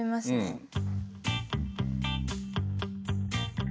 うん。